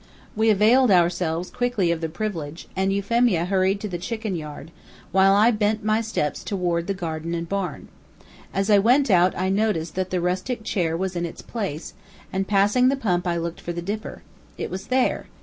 We availed ourselves quickly of the privilege, and Euphemia hurried to the chicken yard, while I bent my steps toward the garden and barn. As I went out I noticed that the rustic chair was in its place, and passing the pump I looked for the dipper. It was there.